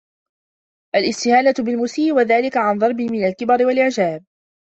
الِاسْتِهَانَةُ بِالْمُسِيءِ وَذَلِكَ عَنْ ضَرْبٍ مِنْ الْكِبْرِ وَالْإِعْجَابِ